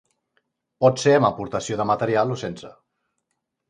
Pot ser amb aportació de material o sense.